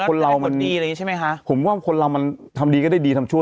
คนเรามันดีอะไรอย่างนี้ใช่ไหมคะผมว่าคนเรามันทำดีก็ได้ดีทำชั่